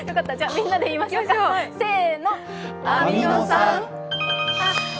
みんなで言いましょうか、せーの。